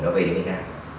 nó về đến cái nào